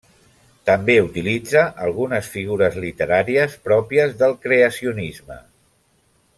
També utilitza algunes figures literàries pròpies del creacionisme.